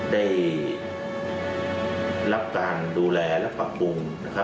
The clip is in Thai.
ได้รับการดูแลและปรับปรุง